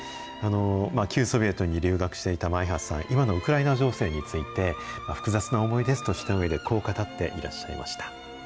旧ソビエトに留学していた前橋さん、今のウクライナ情勢について、複雑な思いですとしたうえで、こう語っていらっしゃいました。